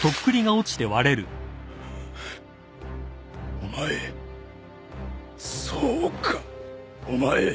お前そうかお前。